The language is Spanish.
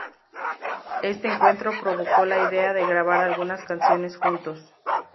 Este encuentro provocó la idea de grabar algunas canciones juntos.